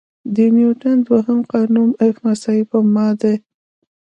د نیوټن دوهم قانون F=ma دی.